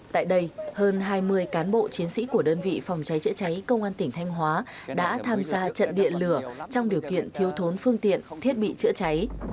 tại đây hơn hai mươi cán bộ chiến sĩ của đơn vị phòng cháy chữa cháy công an tỉnh thanh hóa đã tham gia trận điện lửa trong điều kiện thiếu thốn phương tiện thiết bị chữa cháy